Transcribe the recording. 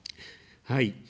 はい。